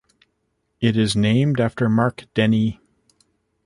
It is named after Mark Denny.